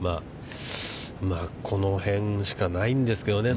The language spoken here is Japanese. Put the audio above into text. まあ、この辺しかないんですけどね。